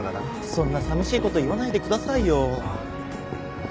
そんなさみしいこと言わないでくださいよ。